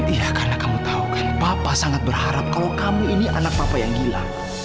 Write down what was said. iya karena kamu tahu kan papa sangat berharap kalau kamu ini anak papa yang gila